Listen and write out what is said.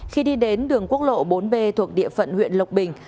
khi đi đến đường quốc lộ bốn b thuộc địa phận huyện lộc bình